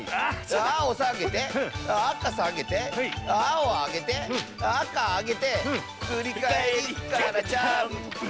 あおさげてあかさげてあおあげてあかあげてふりかえりからジャンプ！